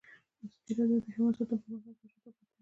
ازادي راډیو د حیوان ساتنه پرمختګ او شاتګ پرتله کړی.